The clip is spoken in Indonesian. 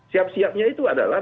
siap siapnya itu adalah